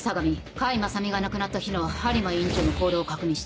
甲斐正美が亡くなった日の播磨院長の行動を確認して。